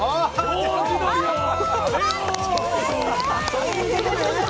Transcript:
そういうことね。